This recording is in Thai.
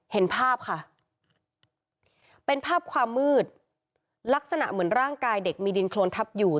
เห็นภาพค่ะเป็นภาพความมืดลักษณะเหมือนร่างกายเด็กมีดินโครนทับอยู่